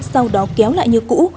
sau đó kéo lại như cũ